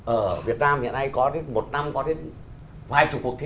ở việt nam hiện nay có đến một năm có đến vài chục cuộc thi